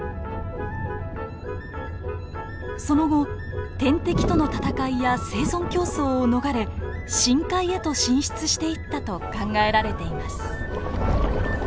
その後天敵との戦いや生存競争を逃れ深海へと進出していったと考えられています。